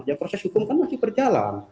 ya proses hukum kan masih berjalan